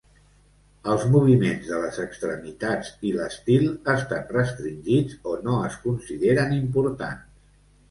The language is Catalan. Els moviments de les extremitats i l'estil estan restringits o no es consideren importants.